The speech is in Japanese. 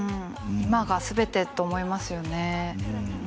今が全てと思いますよね